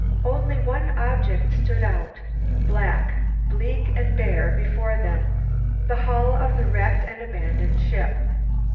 Only one object stood out, black, bleak and bare before them the hull of the wrecked and abandoned ship.